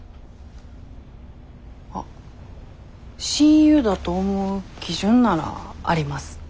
あっ親友だと思う基準ならあります。